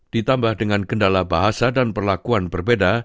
ditambah dengan kendala bahasa dan perlakuan berbeda